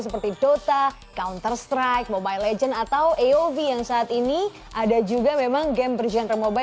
seperti dota counter strike mobile legends atau aov yang saat ini ada juga memang game bergenre mobile